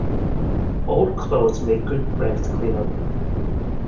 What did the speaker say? Old clothes make good rags to clean-up.